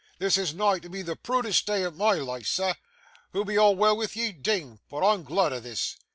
This is nigh to be the proodest day o' my life, sir. Hoo be all wi' ye? Ding! But, I'm glod o' this!